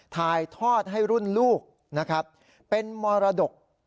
ถ่ายทอดให้รุ่นลูกนะครับเป็นมรดก